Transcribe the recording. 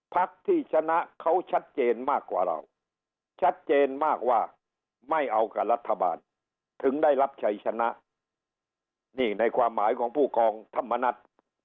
ภาคที่ชนะเช่นมากว่าไม่เอากับลัฐบาลทำได้รับชัยชนะในความหมายของผู้กองธรรมนัฏ